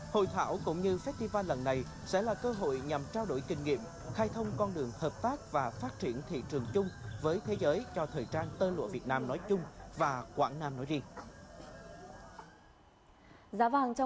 hội thảo cũng như festival lần này sẽ là cơ hội nhằm trao đổi kinh nghiệm khai thông con đường hợp tác và phát triển thị trường chung với thế giới cho thời trang tơ lụa việt nam nói chung và quảng nam nói riêng